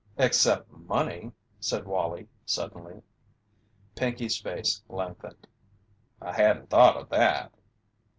"Except money," said Wallie, suddenly. Pinkey's face lengthened. "I hadn't thought of that."